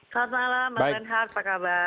selamat malam mbak renhar apa kabar